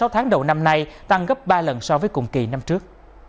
sáu tháng đầu năm nay tăng gấp ba lần so với cùng kỳ năm trước